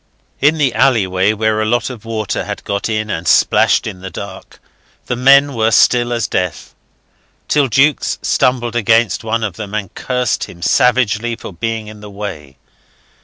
In the alleyway, where a lot of water had got in and splashed in the dark, the men were still as death, till Jukes stumbled against one of them and cursed him savagely for being in the way.